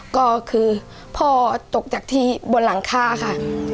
ก็คือพ่อตกจากที่บนหลังคาค่ะ